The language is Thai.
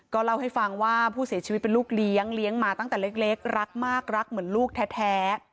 เล่าให้ฟังว่าผู้เสียชีวิตเป็นลูกเลี้ยงเลี้ยงมาตั้งแต่เล็กรักมากรักเหมือนลูกแท้